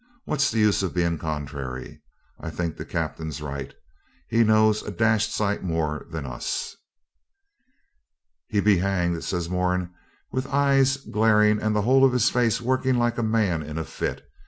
What's the use of being contrary? I think the Captain's right. He knows a dashed sight more than us.' 'He be hanged!' says Moran, with eyes glaring and the whole of his face working like a man in a fit.